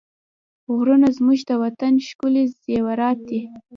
غرونه زموږ د وطن ښکلي زېورات دي.